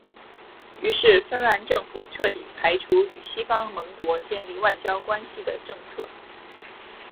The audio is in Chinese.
于是芬兰政府彻底排除与西方盟国建立外交关系的政策。